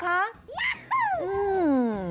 ย๊าฮูอืม